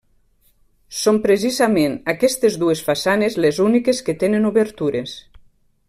Són precisament, aquestes dues façanes, les úniques que tenen obertures.